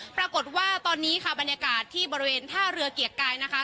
ปรากฏว่าตอนนี้ค่ะบรรยากาศที่บริเวณท่าเรือเกียรติกายนะคะ